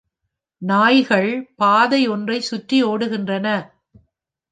நாய்கள் பாதை ஒன்றை சுற்றி ஒடுகின்றன.